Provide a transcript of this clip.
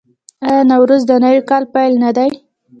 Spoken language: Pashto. آیا نوروز د نوي کال پیل نه دی؟